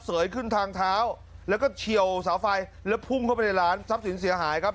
ยขึ้นทางเท้าแล้วก็เฉียวเสาไฟแล้วพุ่งเข้าไปในร้านทรัพย์สินเสียหายครับ